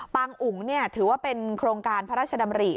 อุ๋งถือว่าเป็นโครงการพระราชดำริ